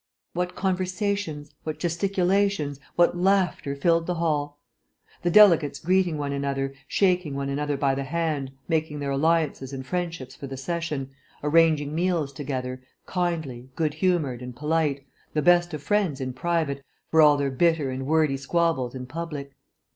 What conversations, what gesticulations, what laughter filled the hall! The delegates greeting one another, shaking one another by the hand, making their alliances and friendships for the session, arranging meals together, kindly, good humoured, and polite, the best of friends in private for all their bitter and wordy squabbles in public.